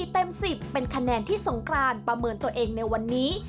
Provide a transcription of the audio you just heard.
เต็ม๑๐เป็นคะแนนที่สงกรานประเมินตัวเองในวันนี้